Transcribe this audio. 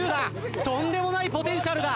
とんでもないポテンシャルだ。